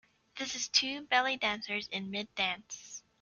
This is two belly dancers in mid dance.